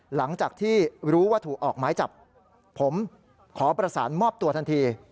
หลังจากที่รู้ว่าถูกออกไม้จับผมขอประสานมอบตัวทันที